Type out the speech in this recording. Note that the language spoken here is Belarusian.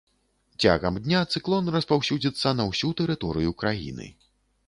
Цягам дня цыклон распаўсюдзіцца на ўсю тэрыторыю краіны.